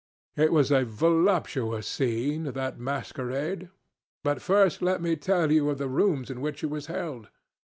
It was a voluptuous scene, that masquerade. But first let me tell of the rooms in which it was held.